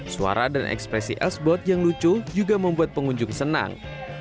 suara dan ekspresi l sbot yang lucu juga membuat pengunjung senang